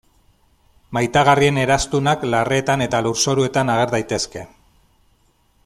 Maitagarrien eraztunak larreetan eta lurzoruetan ager daitezke.